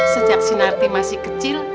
sejak sinarti masih kecil